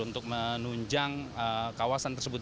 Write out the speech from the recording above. untuk menunjang kawasan tersebut